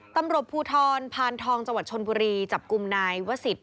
ตำรวจภูทรพานทองจังหวัดชนบุรีจับกลุ่มนายวสิทธ